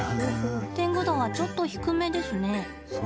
テング度は、ちょっと低めですね。